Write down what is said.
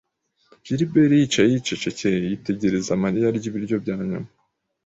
Gilbert yicaye yicecekeye yitegereza Mariya arya ibiryo bya nyuma.